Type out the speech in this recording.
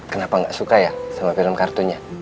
kenapa gak suka ya sama film kartunnya